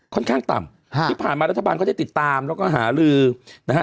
ค่อนข้างต่ำฮะที่ผ่านมารัฐบาลก็ได้ติดตามแล้วก็หาลือนะฮะ